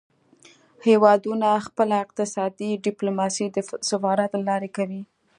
هیوادونه خپله اقتصادي ډیپلوماسي د سفارت له لارې کوي